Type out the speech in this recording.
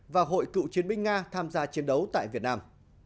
và hội cựu chiến binh nga tham gia chiến đấu tại việt nam